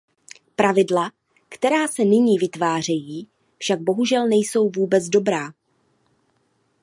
Pravidla, která se nyní vytvářejí, však bohužel nejsou vůbec dobrá.